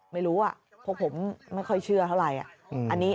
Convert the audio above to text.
ไม่รู้พวกผมไม่ค่อยเชื่อเท่าไหร่